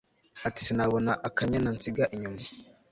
ati sinabona akanyana nsiga inyuma